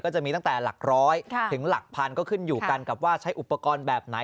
จะมีตั้งแต่หลักร้อยถึงหลักพันก็ขึ้นอยู่กันกับว่าใช้อุปกรณ์แบบไหน